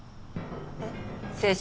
えっ？